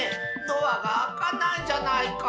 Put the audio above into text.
ドアがあかないじゃないか。